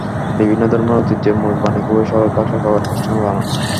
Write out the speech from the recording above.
বিভিন্ন ধর্মের ঐতিহ্যের মূল বাণী খুবই সরল ভাষায় প্রকাশ করেছেন লালন।